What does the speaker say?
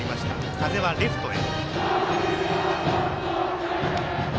風はレフトへ。